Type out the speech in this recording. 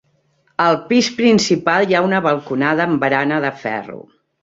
Al pis principal hi ha una balconada amb barana de ferro.